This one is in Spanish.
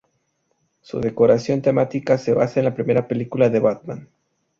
Su decoración temática se basa en la primera película de "Batman".